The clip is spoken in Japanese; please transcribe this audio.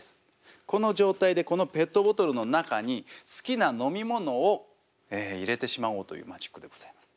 この状態でこのペットボトルの中に好きな飲み物を入れてしまおうというマジックでございます。